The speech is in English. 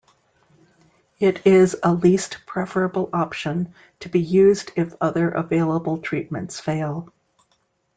It is a least preferable option to be used if other available treatments fail.